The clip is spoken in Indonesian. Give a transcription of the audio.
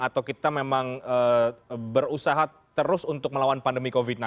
atau kita memang berusaha terus untuk melawan pandemi covid sembilan belas